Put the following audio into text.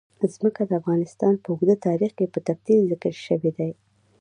ځمکه د افغانستان په اوږده تاریخ کې په تفصیل ذکر شوی دی.